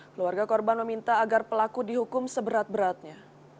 keluarga korban meminta agar pelaku dihukum seberat beratnya